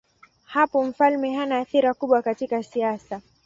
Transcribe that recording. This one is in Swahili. Hapo mfalme hana athira kubwa katika siasa.